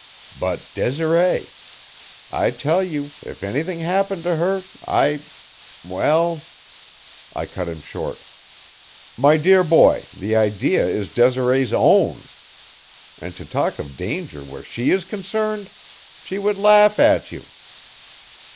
But Desiree! I tell you, if anything happened to her I well " I cut him short: "My dear boy, the idea is Desiree's own. And to talk of danger where she is concerned! She would laugh at you."